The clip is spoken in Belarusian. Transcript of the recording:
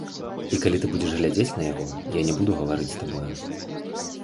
І калі ты будзеш глядзець на яго, я не буду гаварыць з табою.